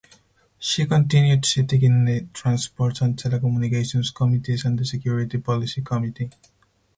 She continued seating in the Transports and Telecommunications Committees and the Security Policy Committee.